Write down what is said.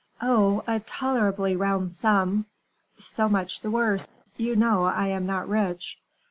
"Oh! a tolerably round sum." "So much the worse you know I am not rich."